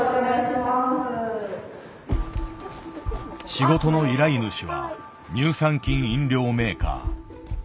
仕事の依頼主は乳酸菌飲料メーカー。